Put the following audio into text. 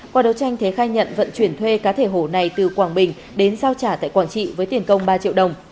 qua đấu tranh thế khai nhận vận chuyển thuê cá thể hổ này từ quảng bình đến giao trả tại quảng trị với tiền công ba triệu đồng